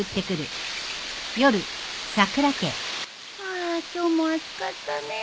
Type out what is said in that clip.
あ今日も暑かったね。